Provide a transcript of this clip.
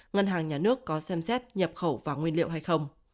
ngân hàng nhà nước có xem xét nhập khẩu vàng nguyên liệu hay không